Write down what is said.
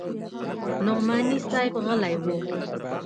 نعماني صاحب غلى و.